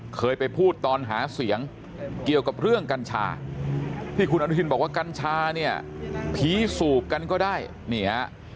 เคยไปพูดตอนหาเสียงเกี่ยวกับเรื่องกัญชาที่คุณอนุทินบอกว่ากัญชาเนี่ยผีสูบกันก็ได้นี่ฮะ